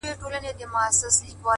د عشق اور يې نور و عرش ته په پرواز دی!!